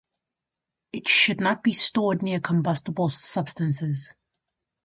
It should not be stored near combustible substances.